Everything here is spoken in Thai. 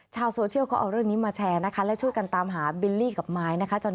ชาวโซเชียลเขาเอาเรื่องนี้มาแชร์นะคะและช่วยกันตามหาบิลลี่กับไม้นะคะ